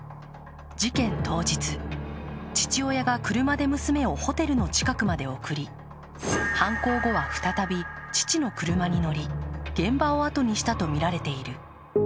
事件当日、父親が車で娘をホテルの近くまで送り犯行後は再び父の車に乗り現場をあとにしたとみられている。